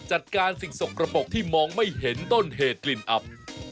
จัดการสิ่งสกระปกที่มองไม่เห็นต้นเหตุกลิ่นอับ